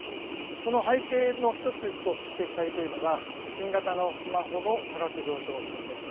その背景の１つと指摘されているのが、新型のスマホの価格上昇なんです。